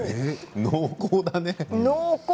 濃厚だね。